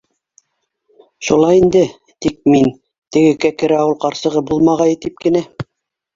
Шулай инде, тик мин... теге Кәкере ауыл ҡарсығы булмағайы тип кенә...